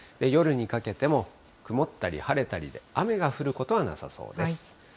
夜にかけても曇ったり晴れたりで、雨が降ることはなさそうです。